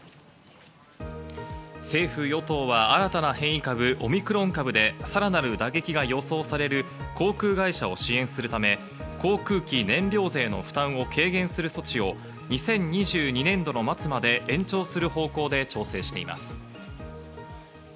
政府・与党は新たな変異株オミクロン株でさらなる打撃が予想される航空会社を支援するため、航空機燃料税の負担を軽減する措置を２０２２年度の末まで延長する方向で調整しています。